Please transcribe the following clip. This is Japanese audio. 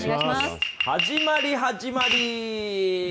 始まり始まり。